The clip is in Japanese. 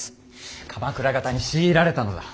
鎌倉方に強いられたのだ。